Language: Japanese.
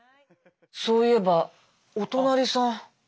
そういえばお隣さん。